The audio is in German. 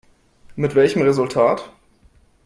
Mit welchem Resultat?